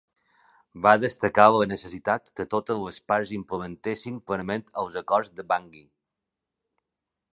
Va destacar la necessitat que totes les parts implementessin plenament els Acords de Bangui.